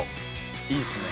いいっすね。